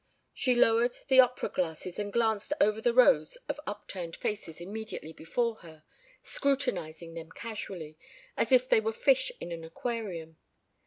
She lowered the opera glasses and glanced over the rows of upturned faces immediately before her, scrutinizing them casually, as if they were fish in an aquarium.